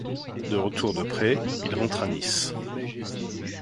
De retour de prêt, il rentre à Nice.